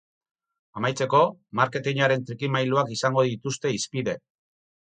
Amaitzeko, marketinaren trikimailuak izango dituzte hizpide.